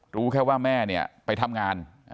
รู้แค่ว่าแม่เนี่ยไปทำงาน